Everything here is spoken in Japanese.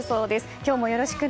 今日もよろしくね。